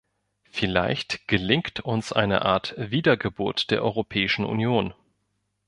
Vielleicht gelingt uns eine Art Wiedergeburt der Europäischen Union.